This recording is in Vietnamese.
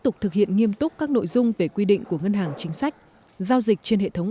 tục thực hiện nghiêm túc các nội dung về quy định của ngân hàng chính sách giao dịch trên hệ thống